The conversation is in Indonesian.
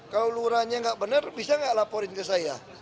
kalau lurahnya nggak benar bisa nggak laporin ke saya